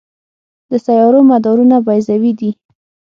د سیارو مدارونه بیضوي دي.